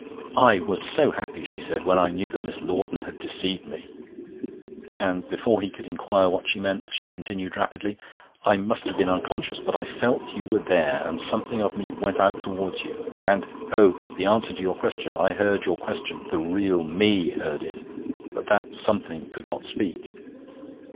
'I was so happy,' she said, 'when I knew that Miss Lawton had deceived me.' And before he could inquire what she meant, she continued rapidly: 'I must have been unconscious, but I felt you were there, and something of me went out towards you. And oh! the answer to your question I heard your question; the real me heard it, but that something could not speak.'